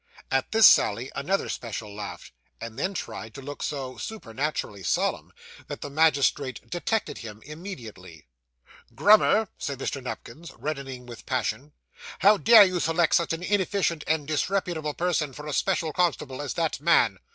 At this sally another special laughed, and then tried to look so supernaturally solemn, that the magistrate detected him immediately. 'Grummer,' said Mr. Nupkins, reddening with passion, 'how dare you select such an inefficient and disreputable person for a special constable, as that man?